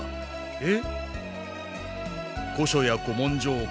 えっ！